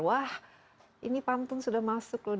wah ini pantun sudah masuk loh